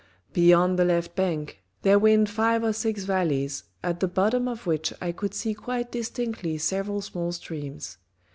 Beyond the left bank, there wind five or six valleys, at the bottom of which I could see quite distinctly several small streams.